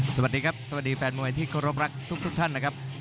สวัสดีครับสวัสดีแฟนมวยที่เคารพรักทุกท่านนะครับ